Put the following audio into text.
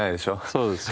そうです。